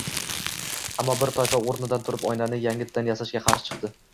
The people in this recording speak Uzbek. Ammo bir toifa o‘rnidan turib, oynani yangitdan yasashga qarshi chiqdi